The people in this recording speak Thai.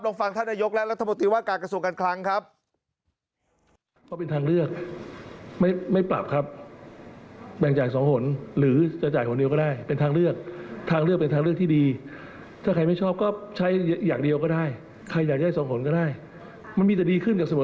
ลองฟังท่านนายกและรัฐบาลมีปัญหาว่าการกระทรวงกันครั้งครับ